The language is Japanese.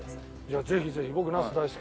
じゃあぜひぜひ。